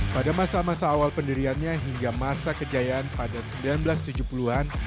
pada masa masa awal pendiriannya hingga masa kejayaan pada seribu sembilan ratus tujuh puluh an